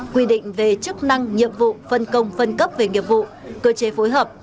quy định về chức năng nhiệm vụ phân công phân cấp về nghiệp vụ cơ chế phối hợp